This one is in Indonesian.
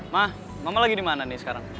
ma mama lagi dimana nih sekarang